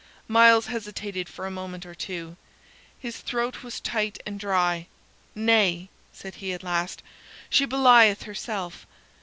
Myles hesitated for a moment or two; his throat was tight and dry. "Nay," said he at last, "she belieth herself.